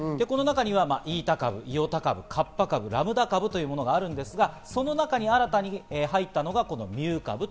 イータ株やイオタ株、カッパ株、ラムダ株というものがあるんですが、その中に新たに入ったのがミュー株。